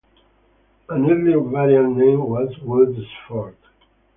An early variant name was Woods Fort.